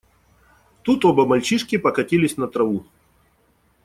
Тут оба мальчишки покатились на траву.